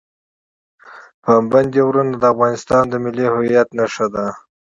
پابندی غرونه د افغانستان د ملي هویت نښه ده.